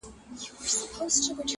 جانانه ولاړې اسماني سوې!